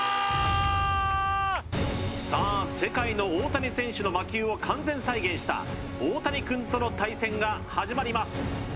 さあ世界の大谷選手の魔球を完全再現したオオタニくんとの対戦が始まります